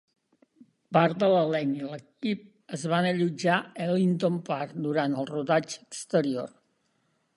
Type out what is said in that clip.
Part de l'elenc i l'equip es van allotjar a l'Ettington Park durant el rodatge exterior.